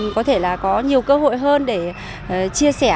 có thể là có nhiều cơ hội hơn để chia sẻ